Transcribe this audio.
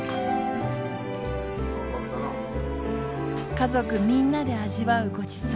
家族みんなで味わうごちそう。